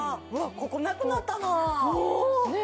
ここなくなったなあね